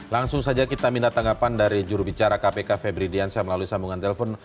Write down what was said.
langsung saja kita minta tanggapan dari jurubicara kpk febri diansyah melalui sambungan telepon